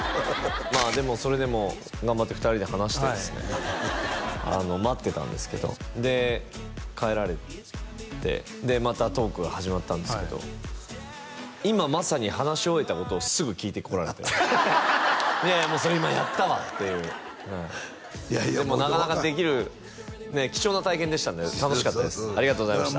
まあでもそれでも頑張って２人で話してですね待ってたんですけどで帰られてでまたトークが始まったんですけど今まさに話し終えたことをすぐ聞いてこられていやいやもうそれ今やったわっていうはいでもなかなかできる貴重な体験でしたね楽しかったですありがとうございました